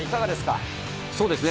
そうですね。